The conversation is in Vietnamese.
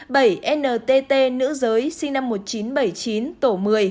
bảy ntt nữ giới sinh năm một nghìn chín trăm bảy mươi chín tổ một mươi